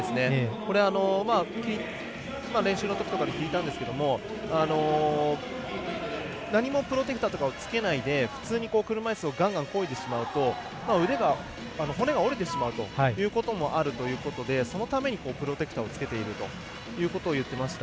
これ、練習のときに聞いたんですけど何もプロテクターとかをつけないで普通に車いすをガンガン、こいでしまうと腕の骨が折れてしまうということがあるのでそのためにプロテクターを着けているということを言っていました。